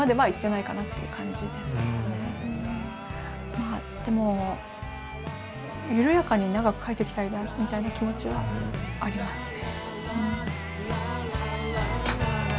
まあでも緩やかに長く描いてきたいなみたいな気持ちはありますね。